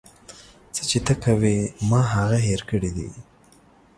څه چې ته کوې ما هغه هير کړي دي.